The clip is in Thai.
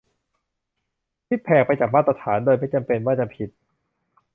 ที่แผกไปจากมาตรฐาน โดยไม่จำเป็นว่าจะผิด